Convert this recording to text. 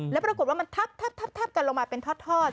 แล้วปรากฏว่ามันทับกันลงมาเป็นทอด